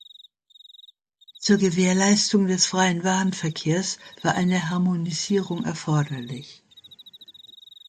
Zur Gewährleistung des freien Warenverkehrs war eine Harmonisierung erforderlich.